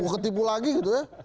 ketipu lagi gitu ya